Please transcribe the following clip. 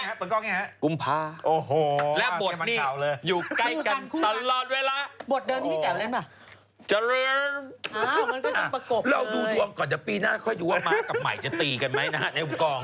เราดูดวงก่อนจะปีหน้าค่อยอยู่ว่ามากับใหม่จะตีกันไหมนะฮะในกอง